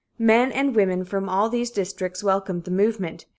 Men and women from all these districts welcomed the movement.